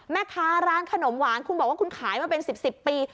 แม่ค้าร้านขนมหวานคุณบอกว่าคุณขายมาเป็น๑๐ปี